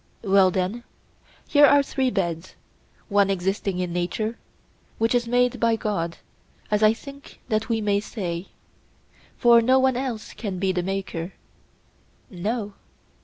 Well then, here are three beds: one existing in nature, which is made by God, as I think that we may say—for no one else can be the maker? No.